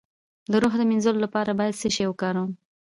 د روح د مینځلو لپاره باید څه شی وکاروم؟